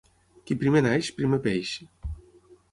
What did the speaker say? Qui primer neix, primer peix.